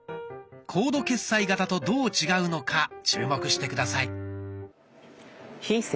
コード決済型とどう違うのか注目して下さい。